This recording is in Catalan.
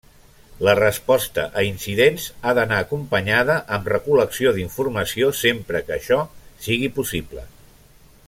La resposta a incidents ha d'anar acompanyada amb recol·lecció d'informació sempre que això sigui possible.